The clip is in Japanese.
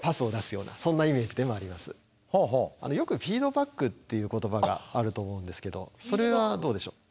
よくフィードバックという言葉があると思うんですけどそれはどうでしょう。